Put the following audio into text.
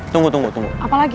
tunggu tunggu tunggu